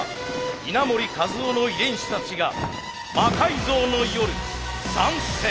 稲盛和夫の遺伝子たちが「魔改造の夜」参戦。